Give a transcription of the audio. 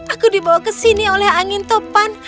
aku dibawa ke sini oleh angin topan